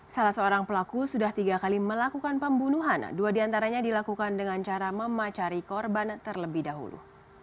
salah seorang pelaku sudah tiga kali melakukan pembunuhan dua diantaranya dilakukan dengan cara memacari korban terlebih dahulu